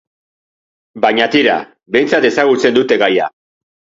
Baina tira, behintzat ezagutzen dute gaia.